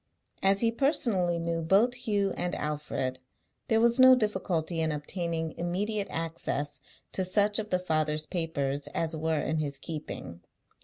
As he personally knew both Hugh and Alfred, there was no difficulty in obtaining immediate access to such of the father's papers as were in his keeping.